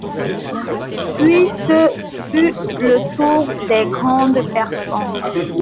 Puis ce fut le tour des grandes personnes.